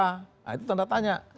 nah itu tanda tanya